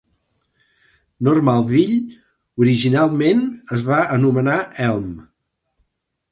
Normalville originalment es va anomenar "Elm".